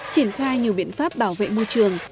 triển khai nhiều biện pháp bảo vệ môi trường